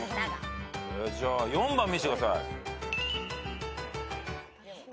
じゃあ４番見せてください。